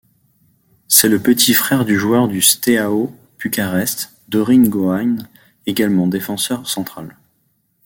C'est le petit frère du joueur du Steaua Bucarest, Dorin Goian, également défenseur central.